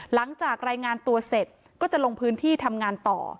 หลังจากรายงานตัวเสร็จก็จะลงพื้นที่ทำงานต่อ